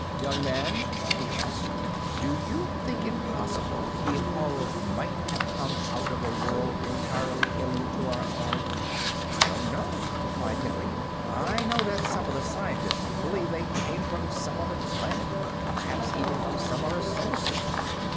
"Young man," he asked, "do you think it possible the Horror might have come out of a world entirely alien to our own?" "I don't know," replied Henry. "I know that some of the scientists believe they came from some other planet, perhaps even from some other solar system.